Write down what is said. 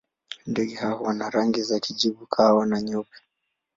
Ndege hawa wana rangi za kijivu, kahawa na nyeupe.